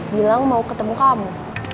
bilang mau ketemu kamu